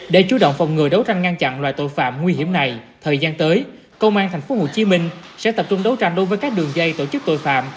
để chú động phòng ngừa đấu tranh ngăn chặn loại tội phạm nguy hiểm này thời gian tới công an tp hcm sẽ tập trung đấu tranh đối với các đường dây tổ chức tội phạm